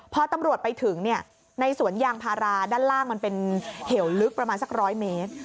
พอตำรวจไปถึงในสวนยางพาราด้านล่างมันเป็นเหวลึกประมาณสัก๑๐๐เมตร